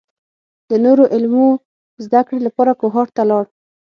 د نورو علومو زده کړې لپاره کوهاټ ته لاړ.